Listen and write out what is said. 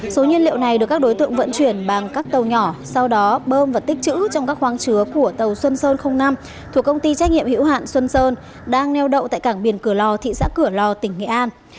số nhiên liệu này được các đối tượng vận chuyển bằng các tàu nhỏ sau đó bơm và tích chữ trong các khoáng chứa của tàu xuân sơn năm thuộc công ty trách nhiệm hữu hạn xuân sơn đang neo đậu tại cảng biển cửa lò thị xã cửa lò tỉnh nghệ an